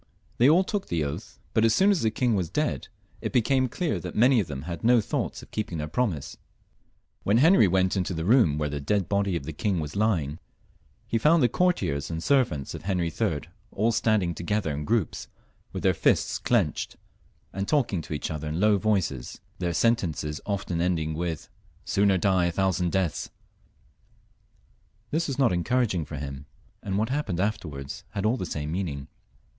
They all took the oath« but as soon as the king was dead, it became clear that many of them had ho thoughts of keeping their promise. When Henry went into the room where the dead body of the king was lying, he found the courtiers and servants of Henry III. all standing together in groups, with their fists clenched, and talking to each other in low voices, their sentences often ending with, ''Sooner die a thousand deaths/' This was not encouraging for him, and what happened afterwards had all the same meaning.